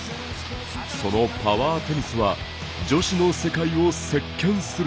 そのパワーテニスは女子の世界を席けんする。